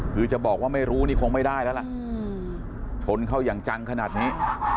คือจะบอกว่าไม่รู้นี่คงไม่ได้แล้วล่ะชนเข้าอย่างจังขนาดนี้